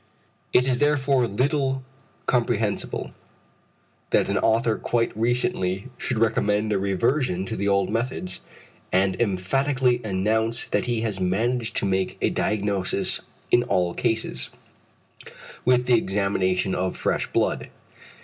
It is therefore little comprehensible, that an author quite recently should recommend a reversion to the old methods, and emphatically announce that he has managed to make a diagnosis in all cases, with the examination of fresh blood.